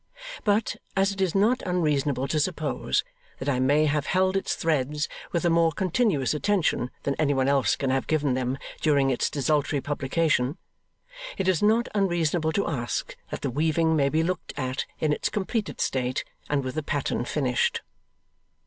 But, as it is not unreasonable to suppose that I may have held its threads with a more continuous attention than anyone else can have given them during its desultory publication, it is not unreasonable to ask that the weaving may be looked at in its completed state, and with the pattern finished.